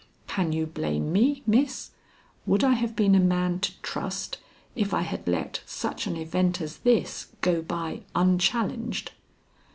Can you blame me, Miss? Would I have been a man to trust if I had let such an event as this go by unchallenged?"